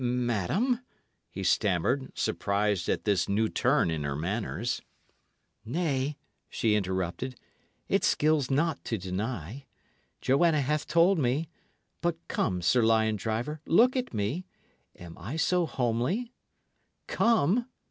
"Madam" he stammered, surprised at this new turn in her manners. "Nay," she interrupted, "it skills not to deny; Joanna hath told me, but come, Sir Lion driver, look at me am I so homely come!"